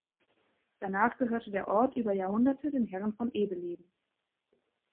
Danach gehörte der Ort über Jahrhunderte den Herren von Ebeleben.